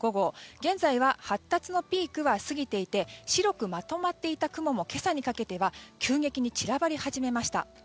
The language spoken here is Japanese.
現在は発達のピークは過ぎていて白くまとまっていた雲も今朝にかけては急激に散らばり始めました。